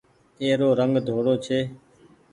اي رو رنگ ڌوڙو ڇي۔